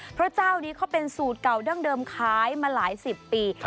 เพราะเจ้านี้เขาเป็นสูตรเก่าดั้งเดิมขายมาหลายสิบปี